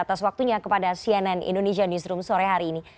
atas waktunya kepada cnn indonesia newsroom sore hari ini